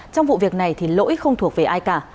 trong vụ việc này thì lỗi không thuộc về ai cả